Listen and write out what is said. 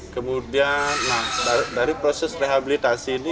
kemudian dari proses rehabilitasi ini